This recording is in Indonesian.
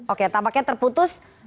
oke tampaknya terputus